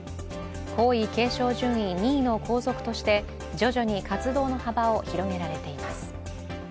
皇位継承順位２位の皇族として徐々に活動の幅を広げられています。